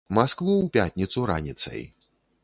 Маскву ў пятніцу раніцай.